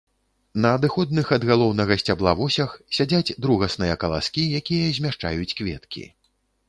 На адыходных ад галоўнага сцябла восях сядзяць другасныя каласкі, якія змяшчаюць кветкі.